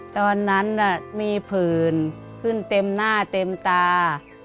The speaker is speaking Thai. ตอนนั้นมีผื่นขึ้นเต็มหน้าเต็มตา